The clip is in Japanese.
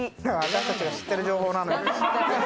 私たちが知ってる情報なのよ。